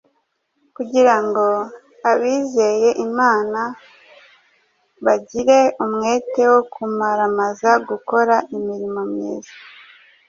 kugira ngo abizeye Imana bagire umwete wo kumaramaza gukora imirimo myiza.